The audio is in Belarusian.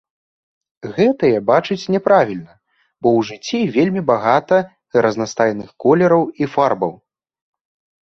Гэтыя бачаць няправільна, бо ў жыцці вельмі багата разнастайных колераў і фарбаў.